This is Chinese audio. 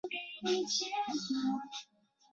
成功国中为台湾地区各县市国民中学学校名称。